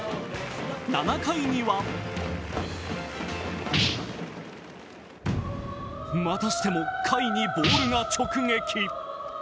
７回にはまたしても甲斐にボールが直撃。